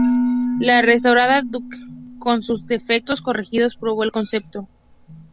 La restaurada "Duke of Gloucester", con sus defectos corregidos, probó el concepto.